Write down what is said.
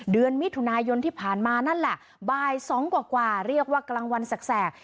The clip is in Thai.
เดือนมิถุนายนที่ผ่านมานั่นแหละบ่าย๒กว่าเรียกว่ากลางวันแสก